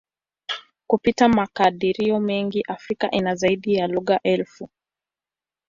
Kupitia makadirio mengi, Afrika ina zaidi ya lugha elfu.